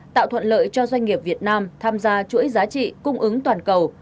tạo thuận lợi cho doanh nghiệp việt nam tham gia chuỗi giá trị cung ứng toàn cầu